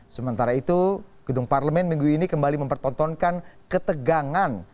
sementara itu gedung parlemen minggu ini kembali mempertontonkan ketegangan